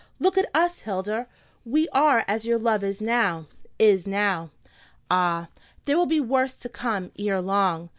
look at us, Hilda! We are as your love is now, is now. Ah, there will be worse to come ere long!"